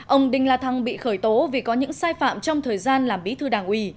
ông đinh la thăng bị khởi tố vì có những sai phạm trong thời gian làm bí thư đảng ủy